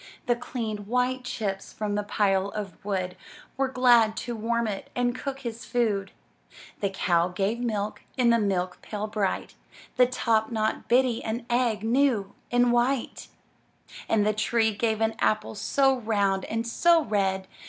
The clean, white chips from the pile of wood Were glad to warm it and cook his food. The cow gave milk in the milk pail bright; The top knot Biddy an egg, new and white; And the tree gave an apple so round and so red.